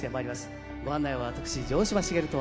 ご案内は私城島茂と。